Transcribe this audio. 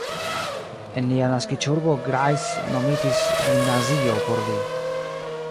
En lia naskiĝurbo Greiz nomitis gimnazio por li.